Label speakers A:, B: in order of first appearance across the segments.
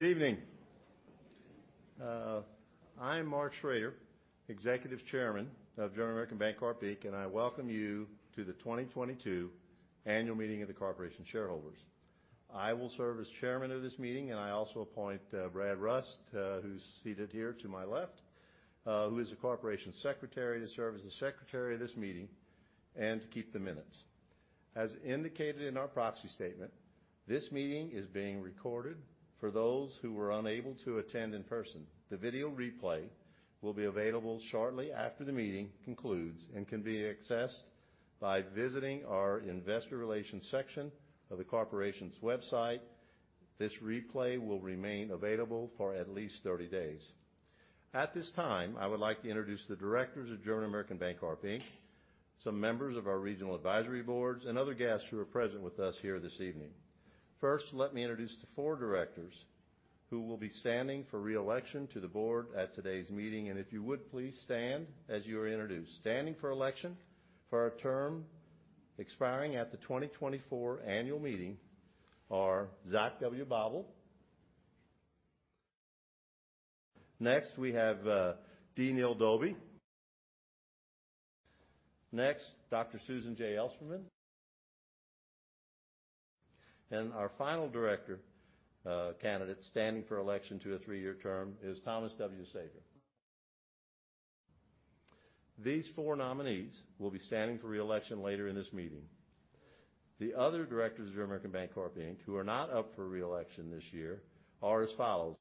A: Good evening. I'm Mark Schroeder, Executive Chairman of German American Bancorp, Inc., and I welcome you to the 2022 annual meeting of the corporation's shareholders. I will serve as chairman of this meeting, and I also appoint Bradley M. Rust, who's seated here to my left, who is the corporate secretary to serve as the secretary of this meeting and to keep the minutes. As indicated in our proxy statement, this meeting is being recorded for those who were unable to attend in person. The video replay will be available shortly after the meeting concludes, and can be accessed by visiting our investor relations section of the corporation's website. This replay will remain available for at least 30 days. At this time, I would like to introduce the directors of German American Bancorp, Inc., some members of our regional advisory boards, and other guests who are present with us here this evening. First, let me introduce the four directors who will be standing for reelection to the board at today's meeting, and if you would, please stand as you are introduced. Standing for election for a term expiring at the 2024 annual meeting are Zachary W. Bobel. Next, we have D. Neil Dauby. Next, Dr. Sue J. Ellspermann. And our final director candidate standing for election to a three-year term is Thomas W. Seger. These four nominees will be standing for reelection later in this meeting. The other directors of German American Bancorp, Inc., who are not up for reelection this year, are as follows.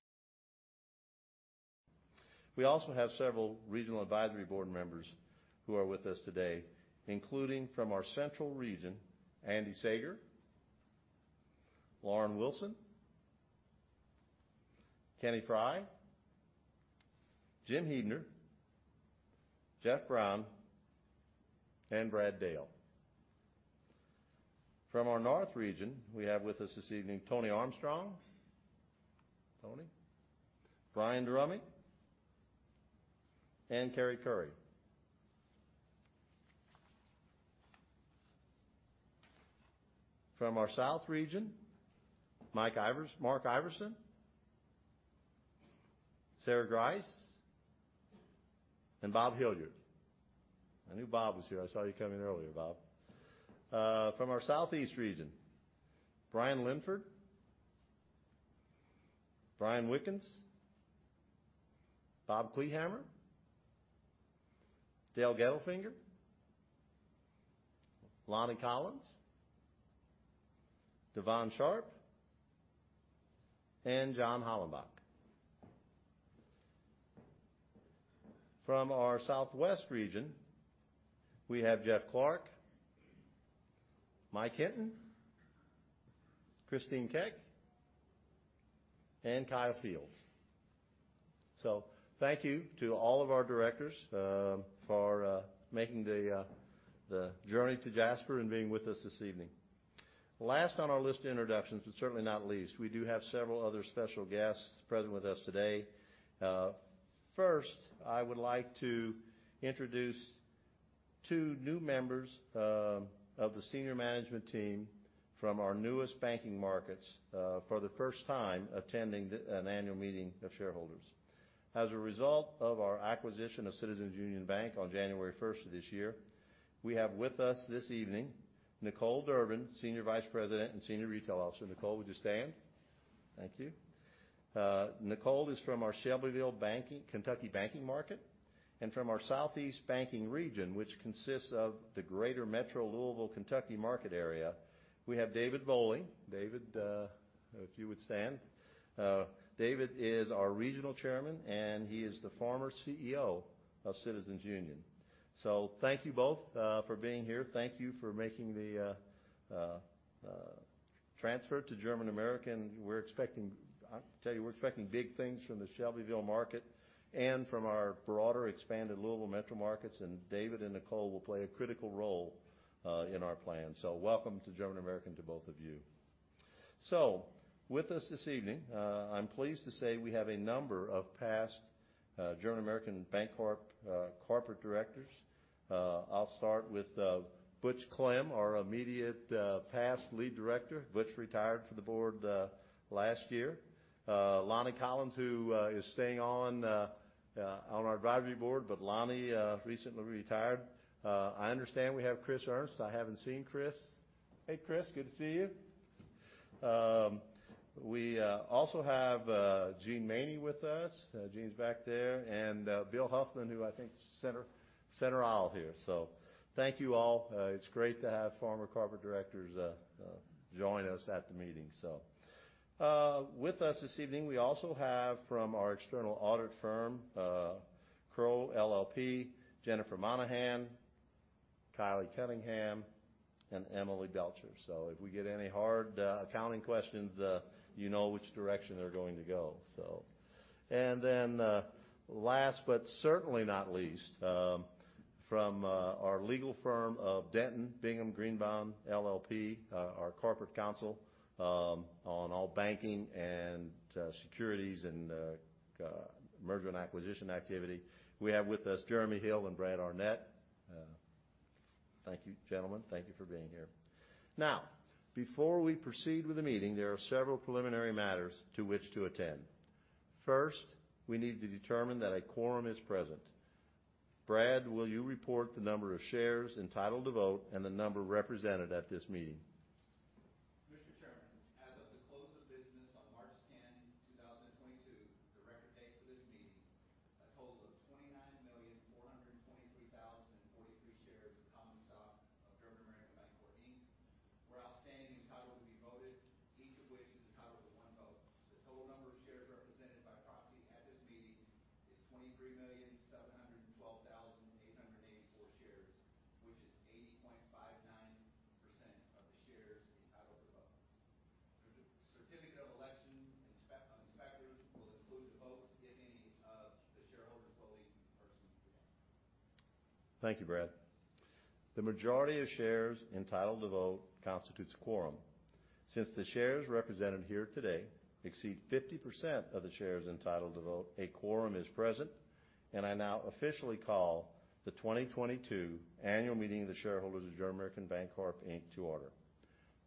A: We also have several regional advisory board members who are with us today, including from our central region, Andrew Seger, Lauren Wilson, Kenny Frye, Jim Huebner, Jeff Brown, and Brad Dale. From our north region, we have with us this evening Tony Armstrong. Tony. Brian Drummond and Kerry Curry. From our south region, Todd Kanipe, Sarah Grice, and Bob Hilliard. I knew Bob was here. I saw you come in earlier, Bob. From our southeast region, Brian Linford, John Whitbeck, Bob Kleehammer, Dale Gettlefinger, Lonnie Collins, Devon Sharpe, and John Hollenbach. From our southwest region, we have Jeff Clark, Mike Hinton, Christine Keck, and Kyle Fields. Thank you to all of our directors for making the journey to Jasper and being with us this evening. Last on our list of introductions, but certainly not least, we do have several other special guests present with us today. First, I would like to introduce two new members of the senior management team from our newest banking markets for the first time attending an annual meeting of shareholders. As a result of our acquisition of Citizens Union Bank on January first of this year, we have with us this evening Nicole Durbin, Senior Vice President and Senior Retail Officer. Nicole, would you stand? Thank you. Nicole is from our Shelbyville banking, Kentucky banking market. From our southeast banking region, which consists of the greater metro Louisville, Kentucky, market area, we have David Bowling. David, if you would stand. David is our Regional Chairman, and he is the former CEO of Citizens Union. Thank you both for being here. Thank you for making the transfer to German American. I can tell you we're expecting big things from the Shelbyville market and from our broader expanded Louisville metro markets, and David and Nicole will play a critical role in our plans. Welcome to German American to both of you. With us this evening, I'm pleased to say we have a number of past German American Bancorp corporate directors. I'll start with Butch Klem, our immediate past lead director. Butch retired from the board last year. Lonnie Collins, who is staying on our advisory board, but Lonnie recently retired. I understand we have Chris Ernst. I haven't seen Chris. Hey, Chris. Good to see you. We also have Gene Miller with us. Gene's back there. Bill Huffman, who I think is center aisle here. Thank you all. It's great to have former corporate directors join us at the meeting. With us this evening, we also have from our external audit firm, Crowe LLP, Jennifer McMahan, Kylie Cunningham, and Alexis Belcher. If we get any hard accounting questions, you know which direction they're going to go. Last but certainly not least, from our legal firm of Dentons Bingham Greenebaum LLP, our corporate counsel, on all banking and securities and merger and acquisition activity. We have with us Jeremy Hill and Brad Arnett. Thank you, gentlemen. Thank you for being here. Now, before we proceed with the meeting, there are several preliminary matters to which to attend. First, we need to determine that a quorum is present. Brad, will you report the number of shares entitled to vote and the number represented at this meeting?
B: Mr. Chairman, as of the close of business on March 10, 2022, the record date for this meeting, a total of 29,423,043 shares of common stock of German American Bancorp, Inc., were outstanding and entitled to be voted, each of which is entitled to 1 vote. The total number of shares represented by proxy at this meeting is 23,712,884 shares, which is 80.59% of the shares entitled to vote. The certificate of election inspectors will include the votes, if any, of the shareholders voting in person today.
A: Thank you, Brad. The majority of shares entitled to vote constitutes a quorum. Since the shares represented here today exceed 50% of the shares entitled to vote, a quorum is present, and I now officially call the 2022 annual meeting of the shareholders of German American Bancorp, Inc. to order.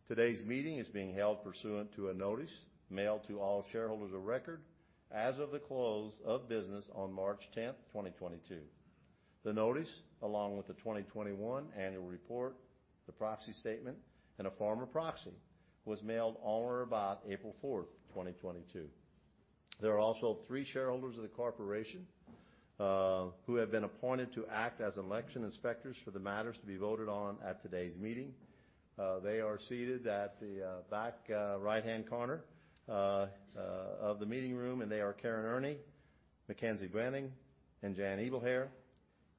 A: Today's meeting is being held pursuant to a notice mailed to all shareholders of record as of the close of business on March 10, 2022. The notice, along with the 2021 annual report, the proxy statement, and a form of proxy, was mailed on or about April 4, 2022. There are also three shareholders of the corporation who have been appointed to act as election inspectors for the matters to be voted on at today's meeting. They are seated at the back right-hand corner of the meeting room, and they are Karen Erny, Mackenzie Granton, and Jan Ebelhar.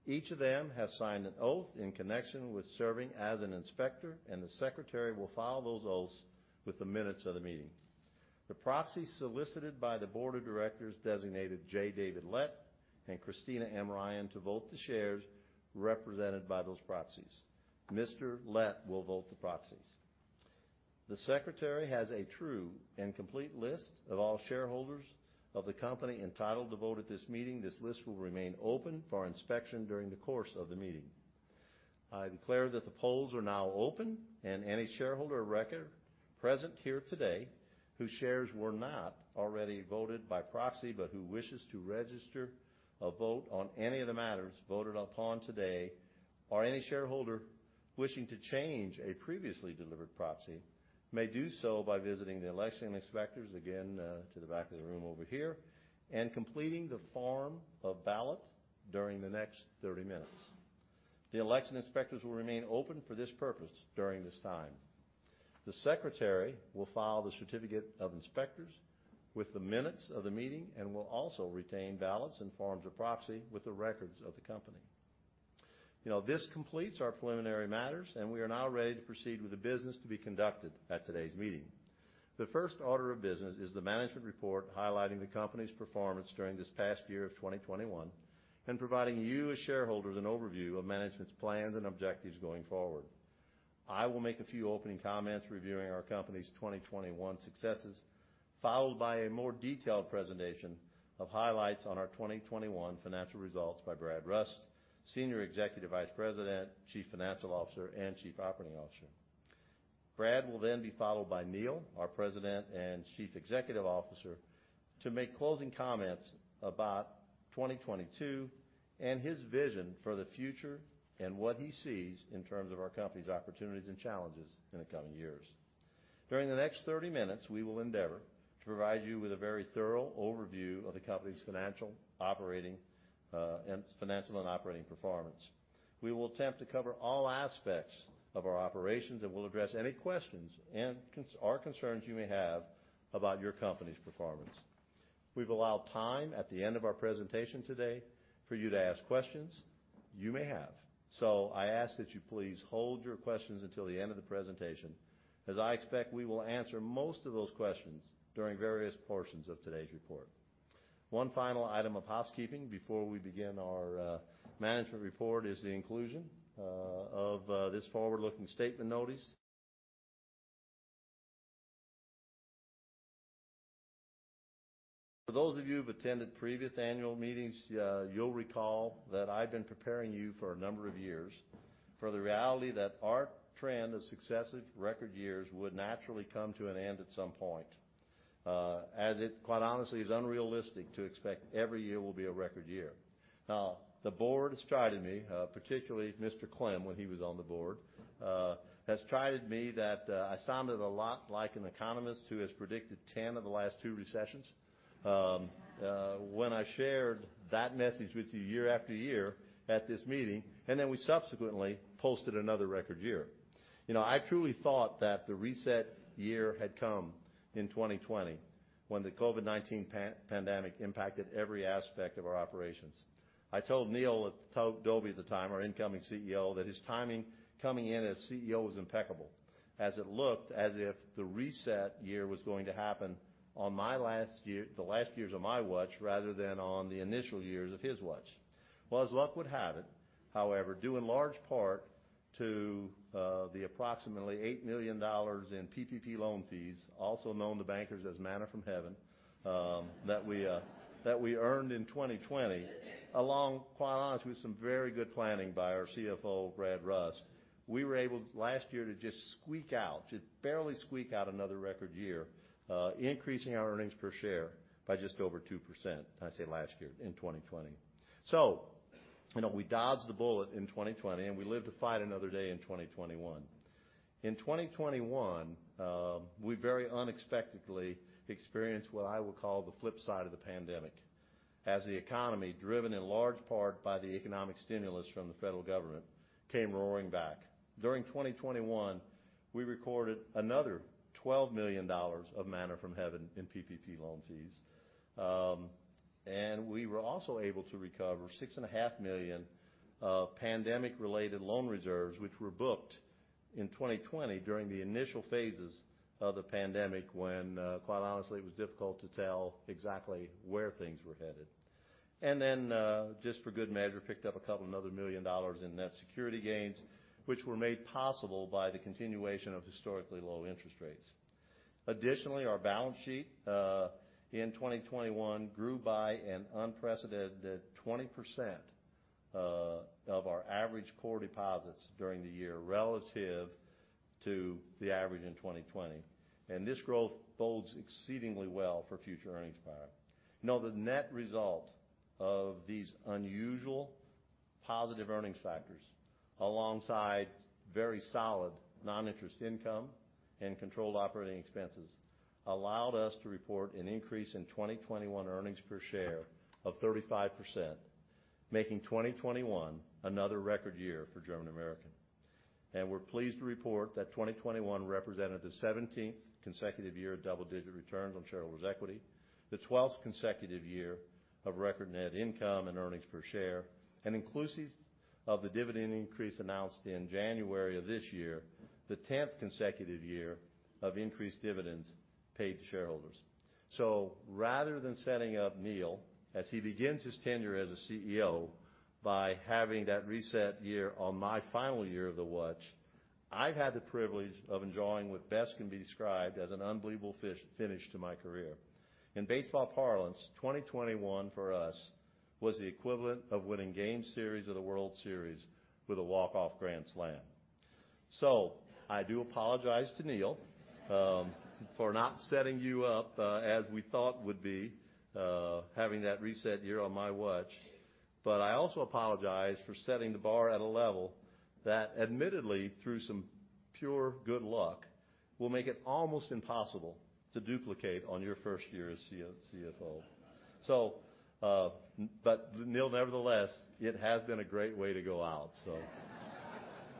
A: Each of them has signed an oath in connection with serving as an inspector, and the secretary will file those oaths with the minutes of the meeting. The proxies solicited by the board of directors designated J. David Lett and Christina M. Ryan to vote the shares represented by those proxies. Mr. Lett will vote the proxies. The secretary has a true and complete list of all shareholders of the company entitled to vote at this meeting. This list will remain open for inspection during the course of the meeting. I declare that the polls are now open and any shareholder of record present here today whose shares were not already voted by proxy, but who wishes to register a vote on any of the matters voted upon today, or any shareholder wishing to change a previously delivered proxy, may do so by visiting the election inspectors, again, to the back of the room over here, and completing the form of ballot during the next 30 minutes. The election inspectors will remain open for this purpose during this time. The secretary will file the certificate of inspectors with the minutes of the meeting and will also retain ballots and forms of proxy with the records of the company. You know, this completes our preliminary matters, and we are now ready to proceed with the business to be conducted at today's meeting. The first order of business is the management report highlighting the company's performance during this past year of 2021 and providing you as shareholders an overview of management's plans and objectives going forward. I will make a few opening comments reviewing our company's 2021 successes, followed by a more detailed presentation of highlights on our 2021 financial results by Brad Rust, Senior Executive Vice President, Chief Financial Officer, and Chief Operating Officer. Brad will then be followed by Neil, our President and Chief Executive Officer, to make closing comments about 2022 and his vision for the future and what he sees in terms of our company's opportunities and challenges in the coming years. During the next 30 minutes, we will endeavor to provide you with a very thorough overview of the company's financial, operating, and financial and operating performance. We will attempt to cover all aspects of our operations, and we'll address any questions or concerns you may have about your company's performance. We've allowed time at the end of our presentation today for you to ask questions you may have. I ask that you please hold your questions until the end of the presentation, as I expect we will answer most of those questions during various portions of today's report. One final item of housekeeping before we begin our management report is the inclusion of this forward-looking statement notice. For those of you who've attended previous annual meetings, you'll recall that I've been preparing you for a number of years for the reality that our trend of successive record years would naturally come to an end at some point, as it quite honestly is unrealistic to expect every year will be a record year. The board has chided me, particularly Mr. Clem, when he was on the board, has chided me that I sounded a lot like an economist who has predicted 10 of the last two recessions, when I shared that message with you year after year at this meeting, and then we subsequently posted another record year. You know, I truly thought that the reset year had come in 2020 when the COVID-19 pandemic impacted every aspect of our operations. I told Neil at the time, our incoming CEO, that his timing coming in as CEO was impeccable as it looked as if the reset year was going to happen on the last years of my watch rather than on the initial years of his watch. Well, as luck would have it, however, due in large part to the approximately $8 million in PPP loan fees, also known to bankers as manna from heaven, that we earned in 2020, along, quite honestly, with some very good planning by our CFO, Brad Rust, we were able last year to just barely squeak out another record year, increasing our earnings per share by just over 2%. I say last year, in 2020. You know, we dodged the bullet in 2020, and we lived to fight another day in 2021. In 2021, we very unexpectedly experienced what I would call the flip side of the pandemic. As the economy, driven in large part by the economic stimulus from the federal government, came roaring back. During 2021, we recorded another $12 million of manna from heaven in PPP loan fees. We were also able to recover $6.5 million of pandemic-related loan reserves, which were booked in 2020 during the initial phases of the pandemic when, quite honestly, it was difficult to tell exactly where things were headed. Just for good measure, we picked up another $1 million in net security gains, which were made possible by the continuation of historically low interest rates. Additionally, our balance sheet in 2021 grew by an unprecedented 20% of our average core deposits during the year relative to the average in 2020. This growth bodes exceedingly well for future earnings power. Now, the net result of these unusual positive earnings factors alongside very solid non-interest income and controlled operating expenses allowed us to report an increase in 2021 earnings per share of 35%, making 2021 another record year for German American. We're pleased to report that 2021 represented the 17th consecutive year of double-digit returns on shareholders' equity. The 12th consecutive year of record net income and earnings per share. Inclusive of the dividend increase announced in January of this year, the 10th consecutive year of increased dividends paid to shareholders. Rather than setting up Neil as he begins his tenure as a CEO by having that reset year on my watch, I've had the privilege of enjoying what best can be described as an unbelievable finish to my career. In baseball parlance, 2021 for us was the equivalent of winning Game 7 of the World Series with a walk-off grand slam. I do apologize to Neil for not setting you up as we thought would be having that reset year on my watch. I also apologize for setting the bar at a level that admittedly, through some pure good luck, will make it almost impossible to duplicate on your first year as CFO. Neil, nevertheless, it has been a great way to go out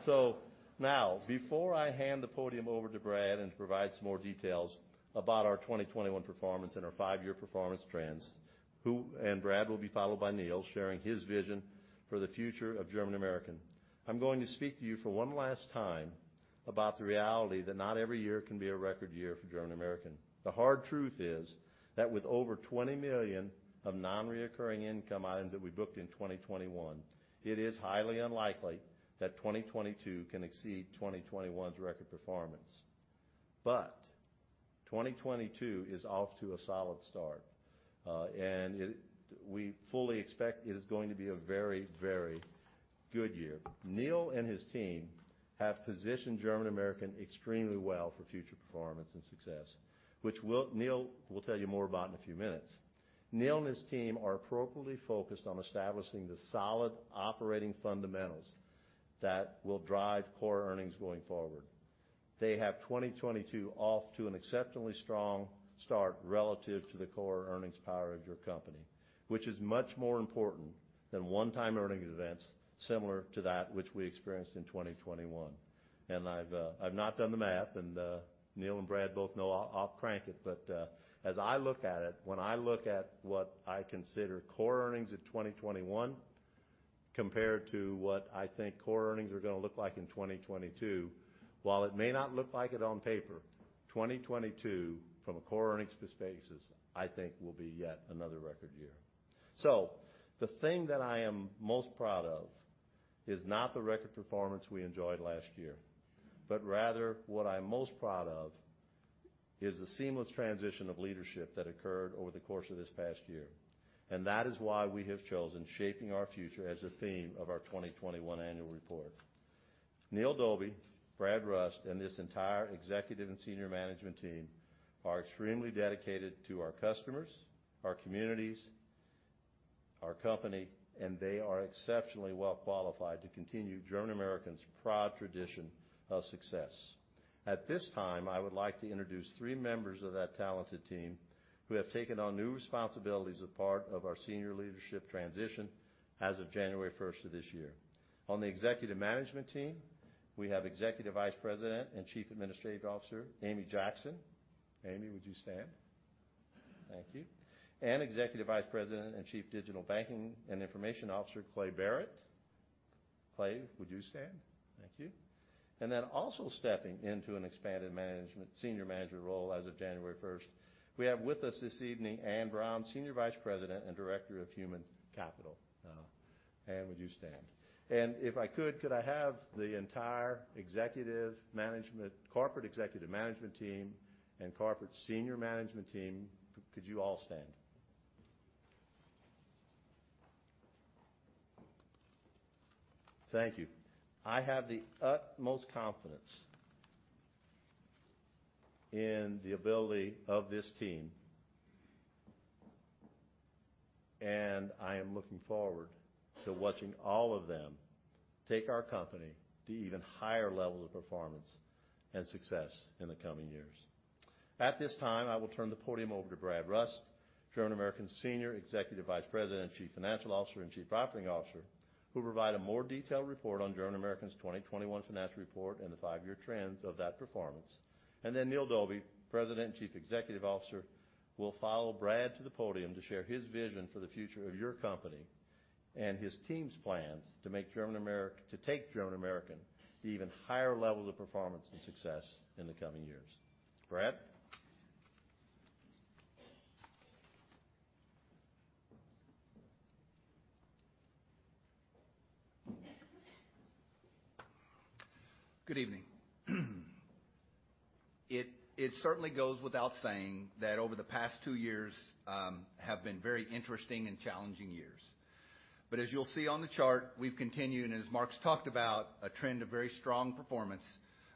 A: so. Now, before I hand the podium over to Brad, and to provide some more details about our 2021 performance and our 5-year performance trends. Brad will be followed by Neil, sharing his vision for the future of German American. I'm going to speak to you for one last time about the reality that not every year can be a record year for German American. The hard truth is that with over $20 million of non-recurring income items that we booked in 2021, it is highly unlikely that 2022 can exceed 2021's record performance. 2022 is off to a solid start. We fully expect it is going to be a very, very good year. Neil and his team have positioned German American extremely well for future performance and success, which Neil will tell you more about in a few minutes. Neil and his team are appropriately focused on establishing the solid operating fundamentals that will drive core earnings going forward. They have 2022 off to an exceptionally strong start relative to the core earnings power of your company, which is much more important than one-time earnings events similar to that which we experienced in 2021. I've not done the math, and Neil and Brad both know I'll crank it. As I look at it, when I look at what I consider core earnings in 2021 compared to what I think core earnings are gonna look like in 2022, while it may not look like it on paper, 2022 from a core earnings basis, I think will be yet another record year. The thing that I am most proud of is not the record performance we enjoyed last year, but rather what I'm most proud of is the seamless transition of leadership that occurred over the course of this past year. That is why we have chosen Shaping Our Future as a theme of our 2021 annual report. Neil Dauby, Brad Rust, and this entire executive and senior management team are extremely dedicated to our customers, our communities, our company, and they are exceptionally well qualified to continue German American's proud tradition of success. At this time, I would like to introduce three members of that talented team who have taken on new responsibilities as part of our senior leadership transition as of January first of this year. On the executive management team, we have Executive Vice President and Chief Administrative Officer, Amy Jackson. Amy, would you stand? Thank you. Executive Vice President and Chief Digital and Information Officer, Clay Barrett. Clay, would you stand? Thank you. Also stepping into an expanded management, senior management role as of January first. We have with us this evening, Ann Brown, Senior Vice President and Director of Human Capital. Would you stand? If I could I have the entire executive management, corporate executive management team and corporate senior management team, could you all stand? Thank you. I have the utmost confidence in the ability of this team. I am looking forward to watching all of them take our company to even higher levels of performance and success in the coming years. At this time, I will turn the podium over to Brad Rust, German American Senior Executive Vice President, Chief Financial Officer, and Chief Operating Officer, who'll provide a more detailed report on German American's 2021 financial report and the five-year trends of that performance. D. Neil Dauby, President and Chief Executive Officer, will follow Brad to the podium to share his vision for the future of your company and his team's plans to take German American to even higher levels of performance and success in the coming years. Brad.
B: Good evening. It certainly goes without saying that over the past 2 years have been very interesting and challenging years. As you'll see on the chart, we've continued, as Mark's talked about, a trend of very strong performance,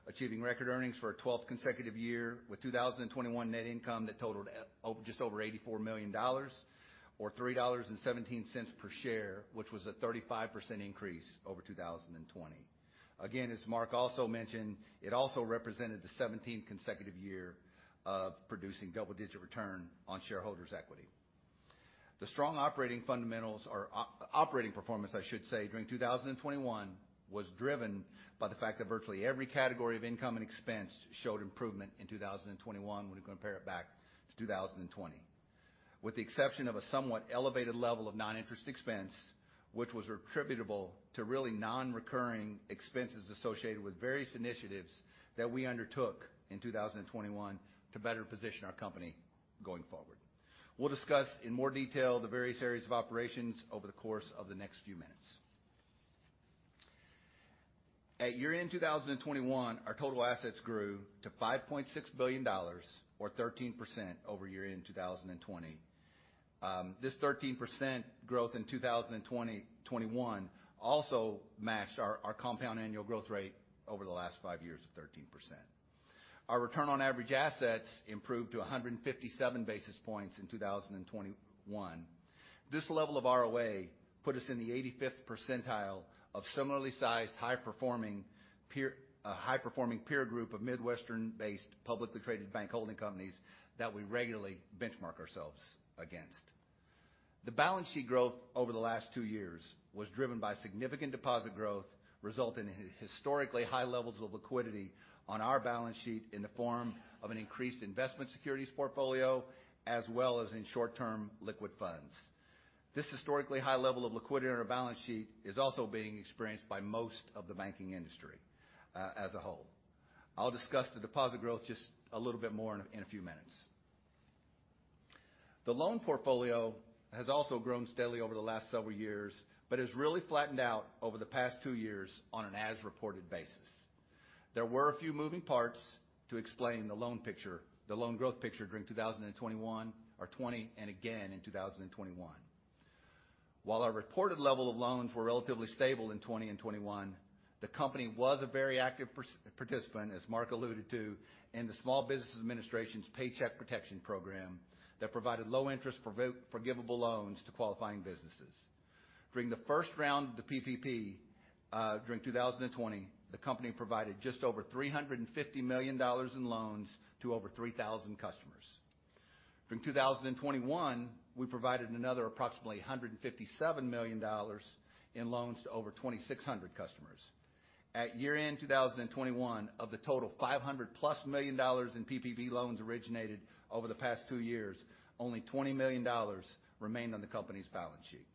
B: achieving record earnings for a 12th consecutive year with 2021 net income that totaled just over $84 million or $3.17 per share, which was a 35% increase over 2020. Again, as Mark also mentioned, it also represented the 17th consecutive year of producing double-digit return on shareholders' equity. The strong operating fundamentals or operating performance, I should say, during 2021 was driven by the fact that virtually every category of income and expense showed improvement in 2021 when we compare it back to 2020. With the exception of a somewhat elevated level of non-interest expense, which was attributable to really non-recurring expenses associated with various initiatives that we undertook in 2021 to better position our company going forward. We'll discuss in more detail the various areas of operations over the course of the next few minutes. At year-end 2021, our total assets grew to $5.6 billion or 13% over year-end in 2020. This 13% growth in 2021 also matched our compound annual growth rate over the last five years of 13%. Our return on average assets improved to 157 basis points in 2021. This level of ROA put us in the 85th percentile of similarly sized, high-performing peer group of Midwestern-based publicly traded bank holding companies that we regularly benchmark ourselves against. The balance sheet growth over the last two years was driven by significant deposit growth, resulting in historically high levels of liquidity on our balance sheet in the form of an increased investment securities portfolio, as well as in short-term liquid funds. This historically high level of liquidity on our balance sheet is also being experienced by most of the banking industry as a whole. I'll discuss the deposit growth just a little bit more in a few minutes. The loan portfolio has also grown steadily over the last several years, but has really flattened out over the past two years on an as-reported basis. There were a few moving parts to explain the loan picture, the loan growth picture during 2020 and 2021. While our reported level of loans were relatively stable in 2020 and 2021, the company was a very active participant, as Mark alluded to, in the Small Business Administration's Paycheck Protection Program that provided low interest forgivable loans to qualifying businesses. During the first round of the PPP, during 2020, the company provided just over $350 million in loans to over 3,000 customers. In 2021, we provided another approximately $157 million in loans to over 2,600 customers. At year-end 2021, of the total $500+ million in PPP loans originated over the past two years, only $20 million remained on the company's balance sheet.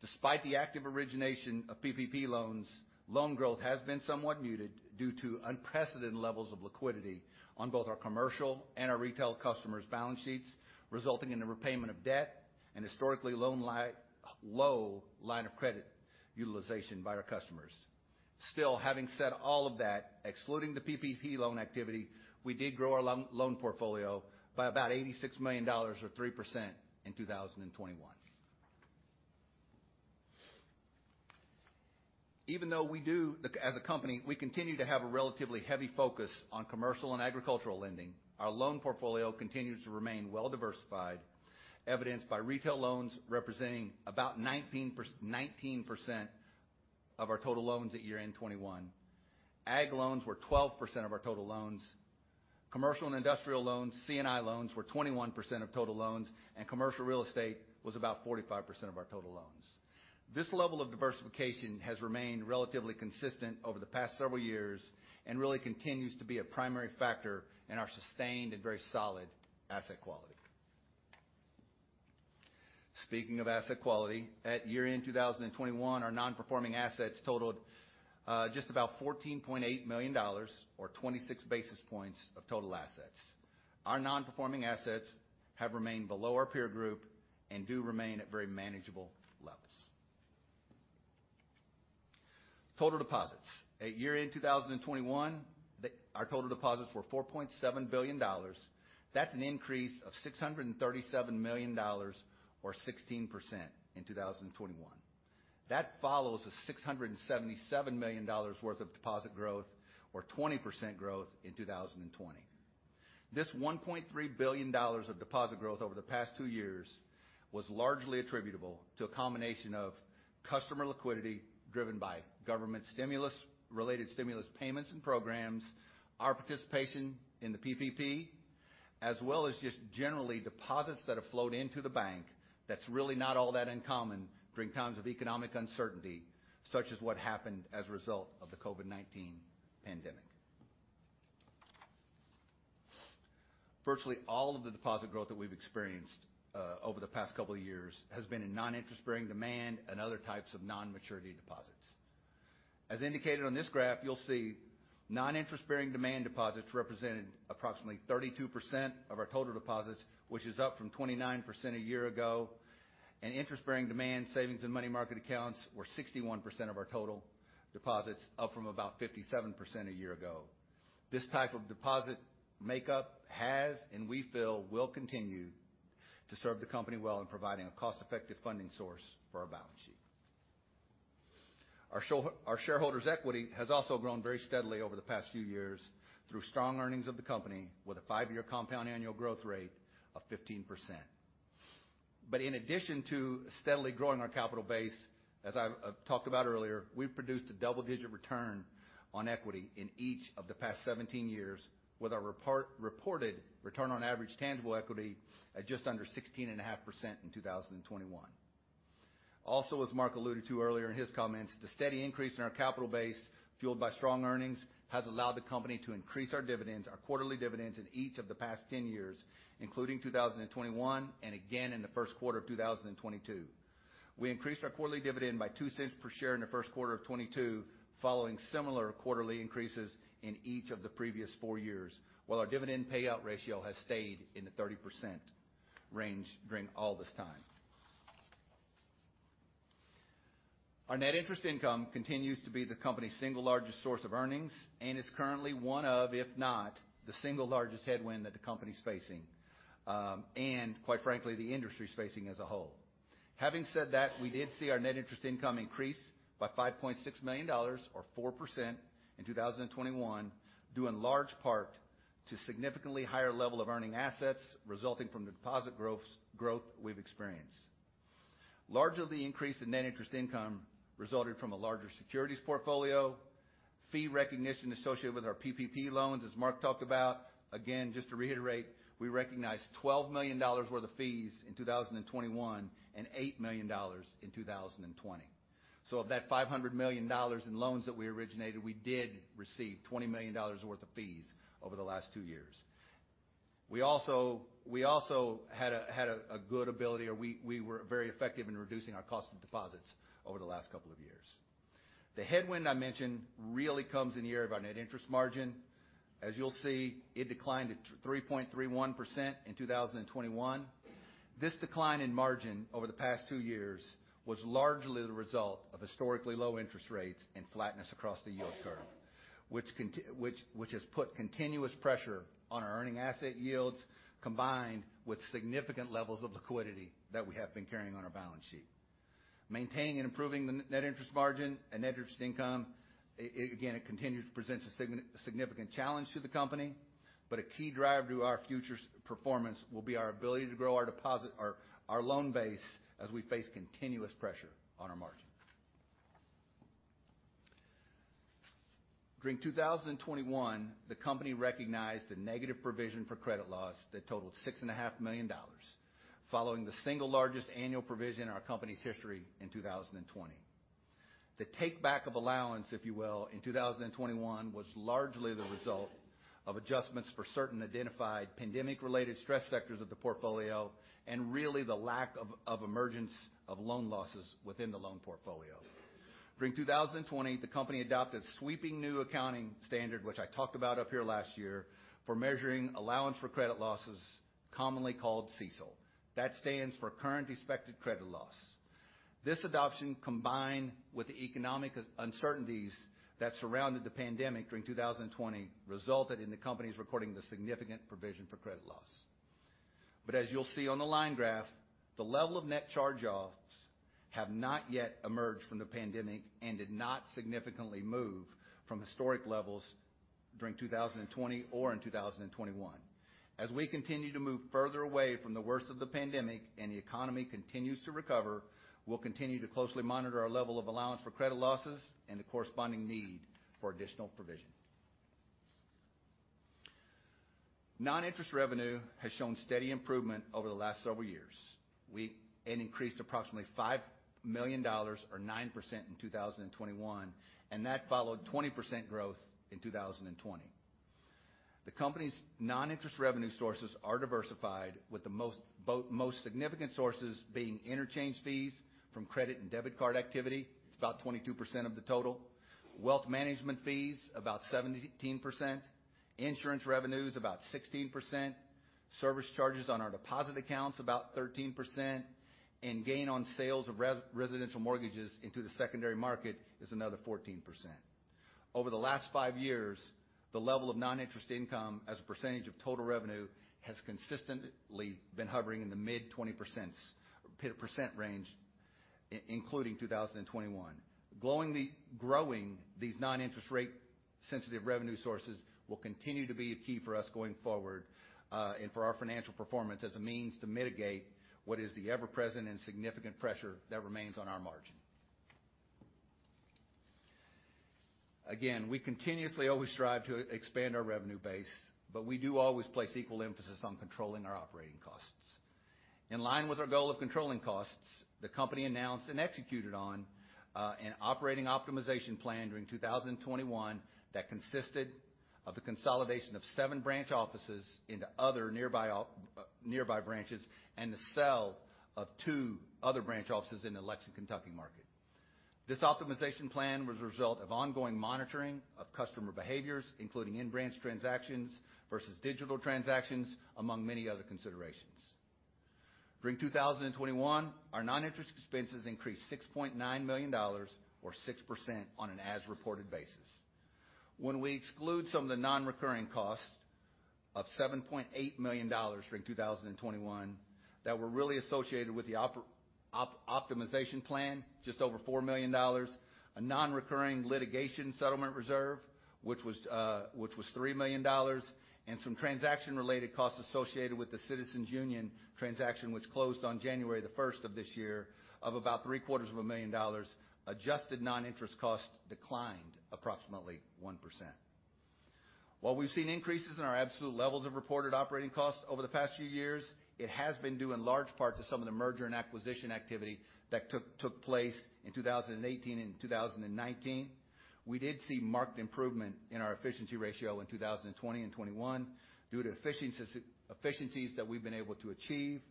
B: Despite the active origination of PPP loans, loan growth has been somewhat muted due to unprecedented levels of liquidity on both our commercial and our retail customers' balance sheets, resulting in the repayment of debt and historically low line of credit utilization by our customers. Still, having said all of that, excluding the PPP loan activity, we did grow our loan portfolio by about $86 million or 3% in 2021. Even though we do, as a company, we continue to have a relatively heavy focus on commercial and agricultural lending, our loan portfolio continues to remain well diversified, evidenced by retail loans representing about 19% of our total loans at year-end 2021. Ag loans were 12% of our total loans. Commercial and industrial loans, C&I loans, were 21% of total loans, and commercial real estate was about 45% of our total loans. This level of diversification has remained relatively consistent over the past several years and really continues to be a primary factor in our sustained and very solid asset quality. Speaking of asset quality, at year-end in 2021, our non-performing assets totaled just about $14.8 million or 26 basis points of total assets. Our non-performing assets have remained below our peer group and do remain at very manageable levels. Total deposits. At year-end 2021, our total deposits were $4.7 billion. That's an increase of $637 million or 16% in 2021. That follows a $677 million worth of deposit growth or 20% growth in 2020. This $1.3 billion of deposit growth over the past two years was largely attributable to a combination of customer liquidity driven by government stimulus, related stimulus payments and programs, our participation in the PPP, as well as just generally deposits that have flowed into the bank that's really not all that uncommon during times of economic uncertainty, such as what happened as a result of the COVID-19 pandemic. Virtually all of the deposit growth that we've experienced over the past couple of years has been in non-interest-bearing demand and other types of non-maturity deposits. As indicated on this graph, you'll see non-interest-bearing demand deposits represented approximately 32% of our total deposits, which is up from 29% a year ago, and interest-bearing demand, savings and money market accounts were 61% of our total deposits, up from about 57% a year ago. This type of deposit makeup has, and we feel will continue to serve the company well in providing a cost-effective funding source for our balance sheet. Our shareholders' equity has also grown very steadily over the past few years through strong earnings of the company with a five-year compound annual growth rate of 15%. In addition to steadily growing our capital base, as I've talked about earlier, we've produced a double-digit return on equity in each of the past 17 years with our reported return on average tangible equity at just under 16.5% in 2021. Also, as Mark alluded to earlier in his comments, the steady increase in our capital base, fueled by strong earnings, has allowed the company to increase our dividends, our quarterly dividends in each of the past 10 years, including 2021, and again in the first quarter of 2022. We increased our quarterly dividend by $0.02 per share in the first quarter of 2022, following similar quarterly increases in each of the previous 4 years, while our dividend payout ratio has stayed in the 30% range during all this time. Our net interest income continues to be the company's single largest source of earnings and is currently one of, if not, the single largest headwind that the company's facing, and quite frankly, the industry's facing as a whole. Having said that, we did see our net interest income increase by $5.6 million or 4% in 2021, due in large part to significantly higher level of earning assets resulting from the deposit growth we've experienced. A large part of the increase in net interest income resulted from a larger securities portfolio, fee recognition associated with our PPP loans, as Mark talked about. Again, just to reiterate, we recognized $12 million worth of fees in 2021 and $8 million in 2020. Of that $500 million in loans that we originated, we did receive $20 million worth of fees over the last two years. We also were very effective in reducing our cost of deposits over the last couple of years. The headwind I mentioned really comes in the area of our net interest margin. As you'll see, it declined to 3.31% in 2021. This decline in margin over the past two years was largely the result of historically low interest rates and flatness across the yield curve, which has put continuous pressure on our earning asset yields, combined with significant levels of liquidity that we have been carrying on our balance sheet. Maintaining and improving the net interest margin and net interest income, again, it continues to present a significant challenge to the company, but a key driver to our future performance will be our ability to grow our deposit, our loan base as we face continuous pressure on our margin. During 2021, the company recognized a negative provision for credit loss that totaled $6.5 million following the single largest annual provision in our company's history in 2020. The take-back of allowance, if you will, in 2021 was largely the result of adjustments for certain identified pandemic-related stress sectors of the portfolio and really the lack of emergence of loan losses within the loan portfolio. During 2020, the company adopted sweeping new accounting standard, which I talked about up here last year, for measuring allowance for credit losses commonly called CECL. That stands for Current Expected Credit Loss. This adoption, combined with the economic uncertainties that surrounded the pandemic during 2020, resulted in the company's recording the significant provision for credit loss. As you'll see on the line graph, the level of net charge-offs have not yet emerged from the pandemic and did not significantly move from historic levels during 2020 or in 2021. As we continue to move further away from the worst of the pandemic and the economy continues to recover, we'll continue to closely monitor our level of allowance for credit losses and the corresponding need for additional provision. Non-interest revenue has shown steady improvement over the last several years. It increased approximately $5 million or 9% in 2021, and that followed 20% growth in 2020. The company's non-interest revenue sources are diversified with the most significant sources being interchange fees from credit and debit card activity. It's about 22% of the total. Wealth management fees, about 17%. Insurance revenues, about 16%. Service charges on our deposit account's about 13%, and gain on sales of residential mortgages into the secondary market is another 14%. Over the last 5 years, the level of non-interest income as a percentage of total revenue has consistently been hovering in the mid-20% range including 2021. Growing these non-interest rate sensitive revenue sources will continue to be a key for us going forward, and for our financial performance as a means to mitigate what is the ever-present and significant pressure that remains on our margin. Again, we continuously always strive to expand our revenue base, but we do always place equal emphasis on controlling our operating costs. In line with our goal of controlling costs, the company announced and executed on an operating optimization plan during 2021 that consisted of the consolidation of seven branch offices into other nearby branches, and the sale of two other branch offices in the Lexington, Kentucky market. This optimization plan was a result of ongoing monitoring of customer behaviors, including in-branch transactions versus digital transactions, among many other considerations. During 2021, our non-interest expenses increased $6.9 million or 6% on an as-reported basis. When we exclude some of the non-recurring costs of $7.8 million during 2021 that were really associated with the optimization plan, just over $4 million, a non-recurring litigation settlement reserve, which was three million dollars, and some transaction-related costs associated with the Citizens Union transaction which closed on January 1 of this year of about three-quarters of a million dollars, adjusted non-interest costs declined approximately 1%. We've seen increases in our absolute levels of reported operating costs over the past few years, it has been due in large part to some of the merger and acquisition activity that took place in 2018 and 2019. We did see marked improvement in our efficiency ratio in 2020 and 2021 due to efficiencies that we've been able to achieve,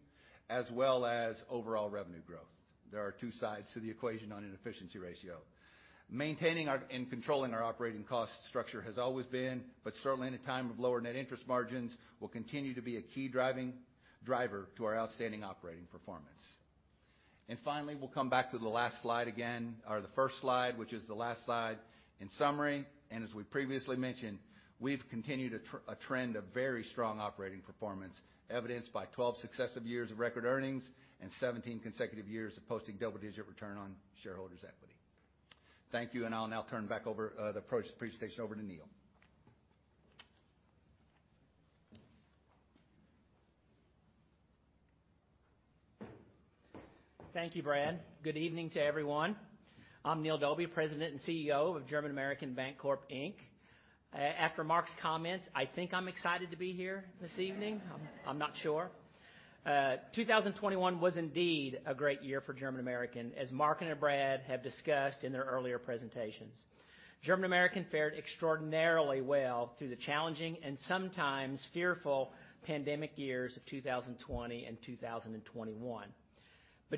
B: as well as overall revenue growth. There are two sides to the equation on an efficiency ratio. Maintaining and controlling our operating cost structure has always been, but certainly in a time of lower net interest margins, will continue to be a key driver to our outstanding operating performance. Finally, we'll come back to the last slide again, or the first slide, which is the last slide. In summary, as we previously mentioned, we've continued a trend of very strong operating performance, evidenced by 12 successive years of record earnings and 17 consecutive years of posting double-digit return on shareholders' equity. Thank you, and I'll now turn the presentation over to Neil.
C: Thank you, Brad. Good evening to everyone. I'm D. Neil Dauby, President and CEO of German American Bancorp, Inc. After Mark's comments, I think I'm excited to be here this evening. I'm not sure. 2021 was indeed a great year for German American, as Mark and Brad have discussed in their earlier presentations. German American fared extraordinarily well through the challenging and sometimes fearful pandemic years of 2020 and 2021.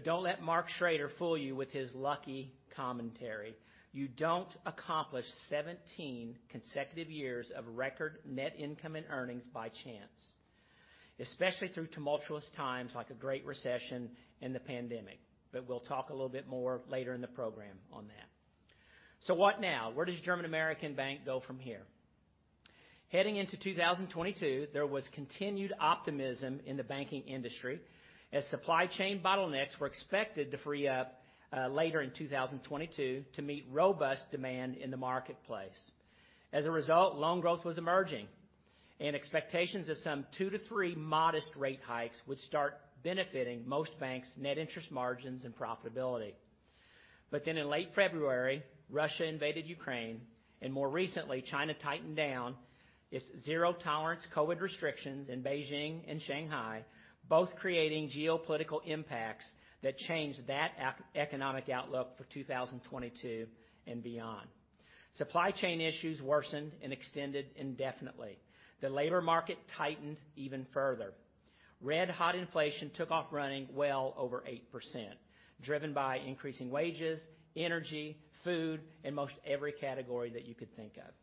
C: Don't let Mark Schroeder fool you with his lucky commentary. You don't accomplish 17 consecutive years of record net income and earnings by chance, especially through tumultuous times like a great recession and the pandemic. We'll talk a little bit more later in the program on that. What now? Where does German American Bank go from here? Heading into 2022, there was continued optimism in the banking industry as supply chain bottlenecks were expected to free up later in 2022 to meet robust demand in the marketplace. As a result, loan growth was emerging and expectations of some two to three modest rate hikes would start benefiting most banks' net interest margins and profitability. In late February, Russia invaded Ukraine, and more recently, China tightened down its zero-tolerance COVID restrictions in Beijing and Shanghai, both creating geopolitical impacts that changed that economic outlook for 2022 and beyond. Supply chain issues worsened and extended indefinitely. The labor market tightened even further. Red-hot inflation took off running well over 8%, driven by increasing wages, energy, food, and most every category that you could think of.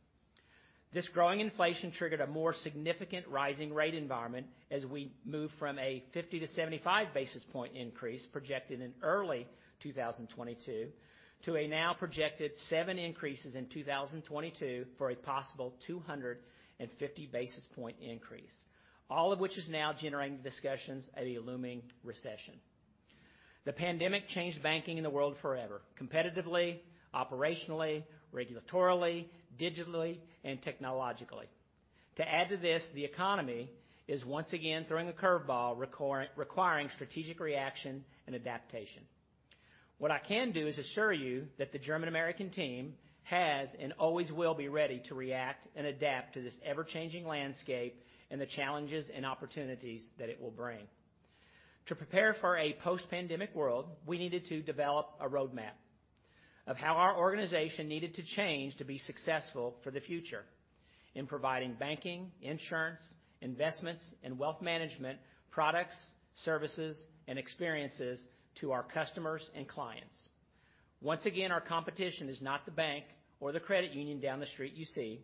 C: This growing inflation triggered a more significant rising rate environment as we moved from a 50-75 basis point increase projected in early 2022 to a now projected seven increases in 2022 for a possible 250 basis point increase. All of which is now generating discussions of a looming recession. The pandemic changed banking in the world forever, competitively, operationally, regulatorily, digitally, and technologically. To add to this, the economy is once again throwing a curve ball requiring strategic reaction and adaptation. What I can do is assure you that the German American team has and always will be ready to react and adapt to this ever-changing landscape and the challenges and opportunities that it will bring. To prepare for a post-pandemic world, we needed to develop a roadmap of how our organization needed to change to be successful for the future in providing banking, insurance, investments, and wealth management products, services, and experiences to our customers and clients. Once again, our competition is not the bank or the credit union down the street you see,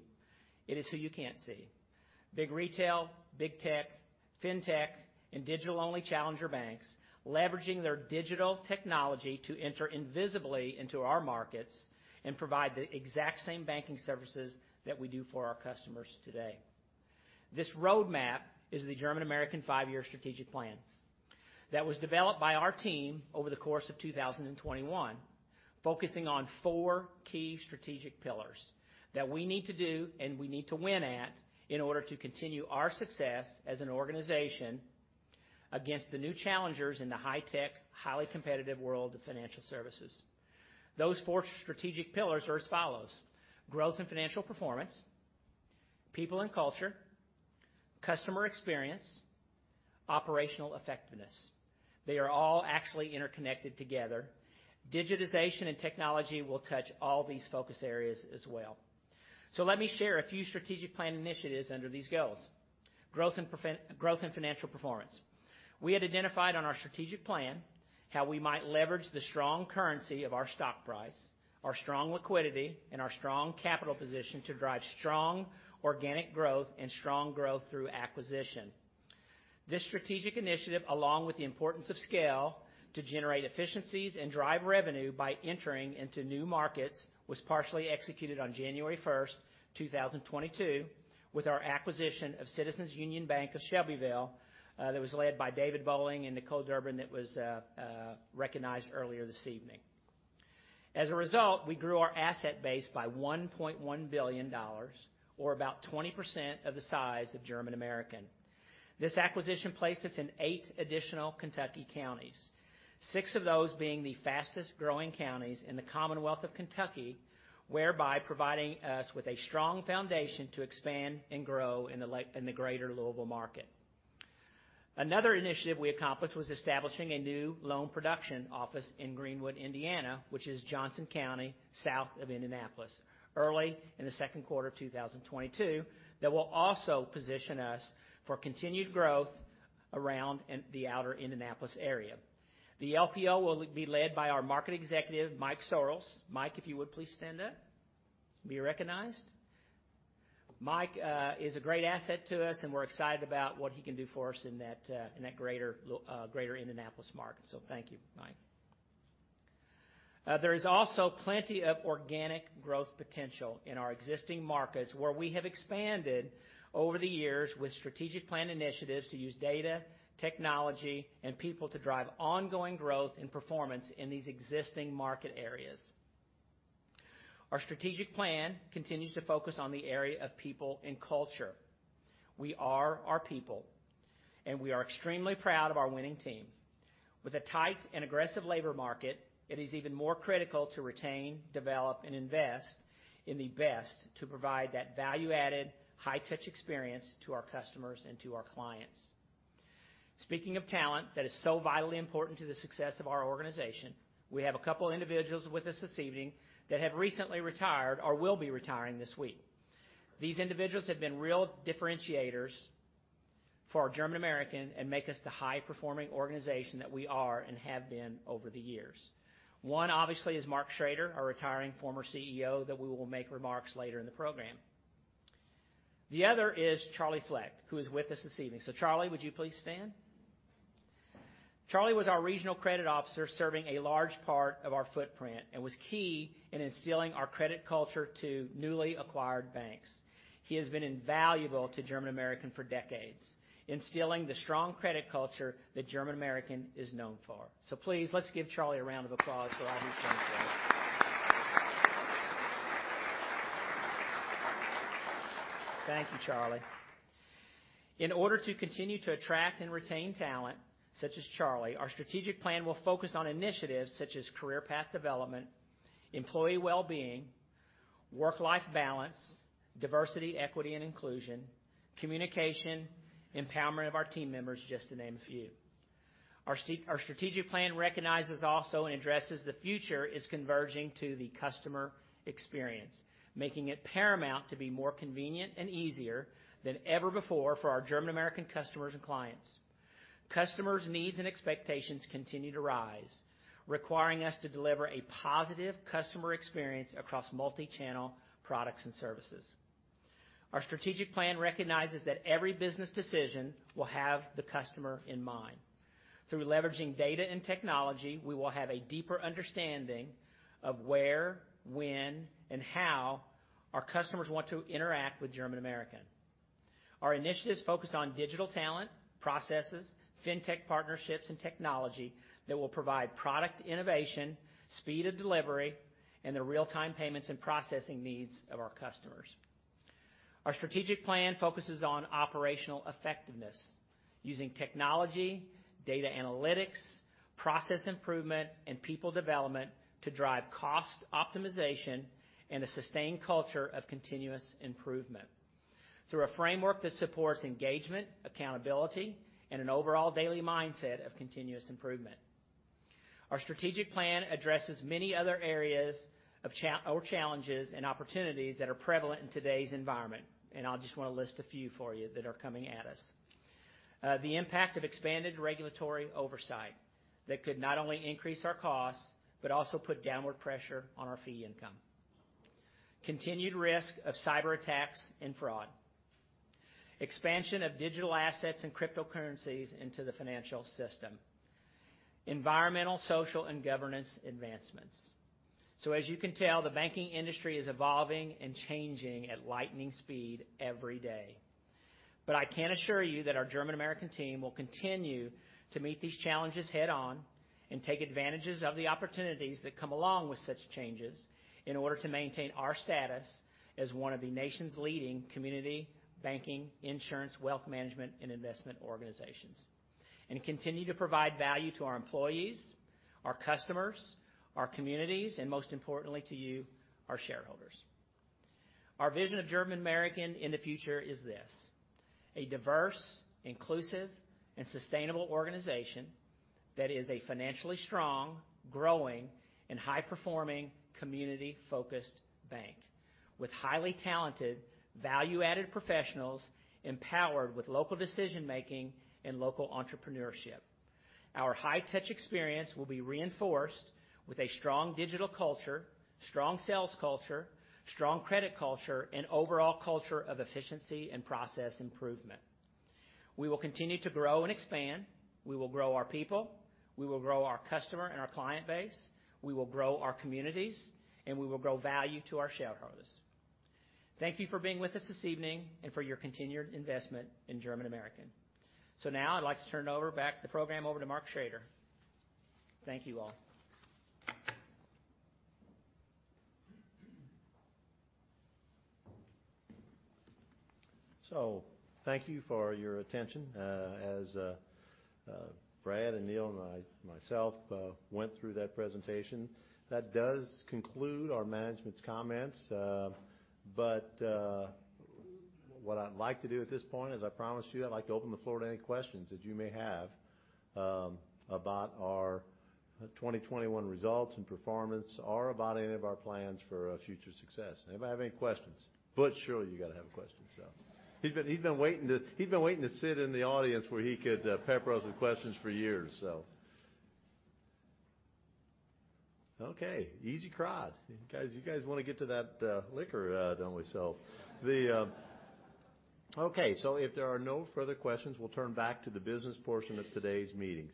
C: it is who you can't see. Big retail, big tech, fintech, and digital-only challenger banks leveraging their digital technology to enter invisibly into our markets and provide the exact same banking services that we do for our customers today. This roadmap is the German American five-year strategic plan that was developed by our team over the course of 2021, focusing on four key strategic pillars that we need to do and we need to win at in order to continue our success as an organization against the new challengers in the high-tech, highly competitive world of financial services. Those four strategic pillars are as follows: growth and financial performance, people and culture, customer experience, operational effectiveness. They are all actually interconnected together. Digitization and technology will touch all these focus areas as well. Let me share a few strategic plan initiatives under these goals. Growth and financial performance. We had identified on our strategic plan how we might leverage the strong currency of our stock price, our strong liquidity, and our strong capital position to drive strong organic growth and strong growth through acquisition. This strategic initiative, along with the importance of scale to generate efficiencies and drive revenue by entering into new markets, was partially executed on January 1, 2022, with our acquisition of Citizens Union Bank of Shelbyville that was led by David Bowling and Nicole Durbin that was recognized earlier this evening. As a result, we grew our asset base by $1.1 billion or about 20% of the size of German American. This acquisition placed us in eight additional Kentucky counties, six of those being the fastest-growing counties in the Commonwealth of Kentucky, whereby providing us with a strong foundation to expand and grow in the greater Louisville market. Another initiative we accomplished was establishing a new loan production office in Greenwood, Indiana, which is Johnson County, south of Indianapolis, early in the second quarter of 2022, that will also position us for continued growth around in the outer Indianapolis area. The LPO will be led by our market executive, Mike Sorrells. Mike, if you would please stand up, be recognized. Mike is a great asset to us, and we're excited about what he can do for us in that greater Indianapolis market. Thank you, Mike. There is also plenty of organic growth potential in our existing markets, where we have expanded over the years with strategic plan initiatives to use data, technology, and people to drive ongoing growth and performance in these existing market areas. Our strategic plan continues to focus on the area of people and culture. We are our people, and we are extremely proud of our winning team. With a tight and aggressive labor market, it is even more critical to retain, develop, and invest in the best to provide that value-added, high-touch experience to our customers and to our clients. Speaking of talent that is so vitally important to the success of our organization, we have a couple of individuals with us this evening that have recently retired or will be retiring this week. These individuals have been real differentiators for German American and make us the high-performing organization that we are and have been over the years. One obviously is Mark Schroeder, our retiring former CEO, that we will make remarks later in the program. The other is Charlie Fleck, who is with us this evening. Charlie, would you please stand? Charlie was our regional credit officer serving a large part of our footprint and was key in instilling our credit culture to newly acquired banks. He has been invaluable to German American for decades, instilling the strong credit culture that German American is known for. Please, let's give Charlie a round of applause for all his hard work. Thank you, Charlie. In order to continue to attract and retain talent such as Charlie, our strategic plan will focus on initiatives such as career path development, employee well-being, work-life balance, diversity, equity, and inclusion, communication, empowerment of our team members, just to name a few. Our strategic plan recognizes also and addresses the future is converging to the customer experience, making it paramount to be more convenient and easier than ever before for our German American customers and clients. Customers' needs and expectations continue to rise, requiring us to deliver a positive customer experience across multi-channel products and services. Our strategic plan recognizes that every business decision will have the customer in mind. Through leveraging data and technology, we will have a deeper understanding of where, when, and how our customers want to interact with German American. Our initiatives focus on digital talent, processes, fintech partnerships, and technology that will provide product innovation, speed of delivery, and the real-time payments and processing needs of our customers. Our strategic plan focuses on operational effectiveness using technology, data analytics, process improvement, and people development to drive cost optimization and a sustained culture of continuous improvement through a framework that supports engagement, accountability, and an overall daily mindset of continuous improvement. Our strategic plan addresses many other areas of challenges and opportunities that are prevalent in today's environment. I just wanna list a few for you that are coming at us. The impact of expanded regulatory oversight that could not only increase our costs, but also put downward pressure on our fee income. Continued risk of cyberattacks and fraud. Expansion of digital assets and cryptocurrencies into the financial system. Environmental, social, and governance advancements. As you can tell, the banking industry is evolving and changing at lightning speed every day. I can assure you that our German American team will continue to meet these challenges head-on and take advantages of the opportunities that come along with such changes in order to maintain our status as one of the nation's leading community banking, insurance, wealth management, and investment organizations, and continue to provide value to our employees, our customers, our communities, and most importantly to you, our shareholders. Our vision of German American in the future is this, a diverse, inclusive, and sustainable organization that is a financially strong, growing, and high-performing community-focused bank with highly talented, value-added professionals, empowered with local decision-making and local entrepreneurship. Our high-touch experience will be reinforced with a strong digital culture, strong sales culture, strong credit culture, and overall culture of efficiency and process improvement. We will continue to grow and expand. We will grow our people. We will grow our customer and our client base. We will grow our communities, and we will grow value to our shareholders. Thank you for being with us this evening and for your continued investment in German American. Now I'd like to turn the program back over to Mark Schroeder. Thank you all.
A: Thank you for your attention. Brad and Neil and I, myself, went through that presentation. That does conclude our management's comments. What I'd like to do at this point, as I promised you, I'd like to open the floor to any questions that you may have about our 2021 results and performance or about any of our plans for future success. Anybody have any questions? Butch, surely you gotta have a question. He's been waiting to sit in the audience where he could pepper us with questions for years. Okay, easy crowd. You guys wanna get to that liquor, don't we? Okay, if there are no further questions, we'll turn back to the business portion of today's meetings.